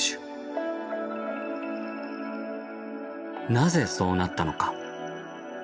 なぜそうなったのか。